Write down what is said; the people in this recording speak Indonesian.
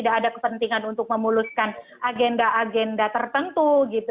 tidak ada kepentingan untuk memuluskan agenda agenda tertentu gitu